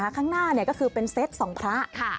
ข้างหน้าก็คือเป็นเซตสองพระ